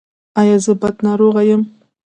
ایا زه بد ناروغ یم؟